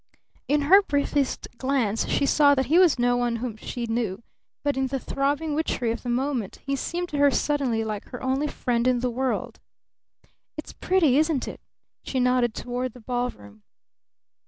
In her briefest glance she saw that he was no one whom she knew, but in the throbbing witchery of the moment he seemed to her suddenly like her only friend in the world. "It's pretty, isn't it?" she nodded toward the ballroom.